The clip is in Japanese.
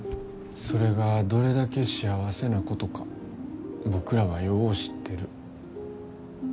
それがどれだけ幸せなことか僕らはよう知ってる。